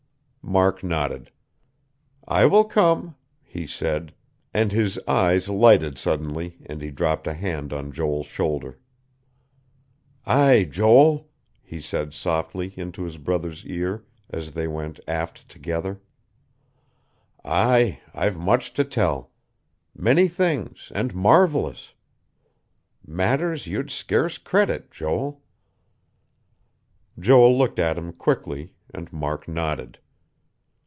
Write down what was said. Mark nodded. "I will come," he said; and his eyes lighted suddenly, and he dropped a hand on Joel's shoulder. "Aye, Joel," he said softly, into his brother's ear, as they went aft together. "Aye, I've much to tell. Many things and marvelous. Matters you'd scarce credit, Joel." Joel looked at him quickly, and Mark nodded.